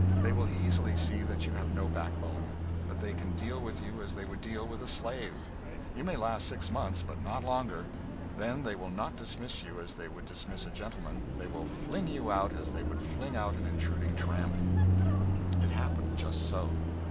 They will easily see that you have no backbone; that they can deal with you as they would deal with a slave. You may last six months, but not longer. Then they will not dismiss you as they would dismiss a gentleman: they will fling you out as they would fling out an intruding tramp." It happened just so.